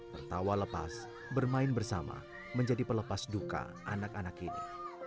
tertawa lepas bermain bersama menjadi pelepas duka anak anak ini